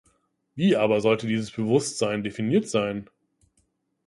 Wie aber sollte dieses Bewusstsein definiert sein?